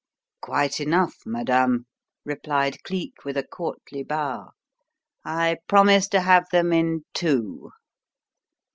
"Quite enough, madame," replied Cleek, with a courtly bow, "I promise to have them in two!"